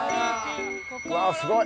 うわすごい！